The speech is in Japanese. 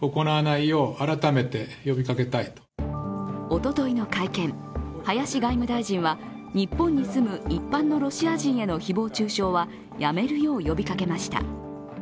おとといの会見、林外務大臣は日本に住む一般のロシア人への誹謗中傷はやめるよう呼びかけました。